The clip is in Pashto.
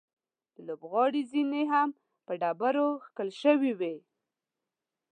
د لوبغالي زینې هم په ډبرو کښل شوې وې.